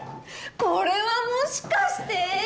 これはもしかして？